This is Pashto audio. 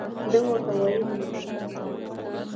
ده ورته ویلي وو.